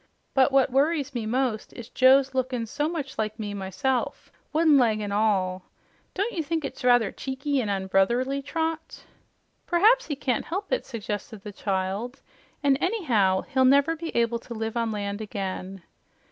But what worries me most is Joe's lookin' so much like me myself, wooden leg an' all. Don't you think it's rather cheeky an' unbrotherly, Trot?" "Perhaps he can't help it," suggested the child. "And anyhow, he'll never be able to live on land again."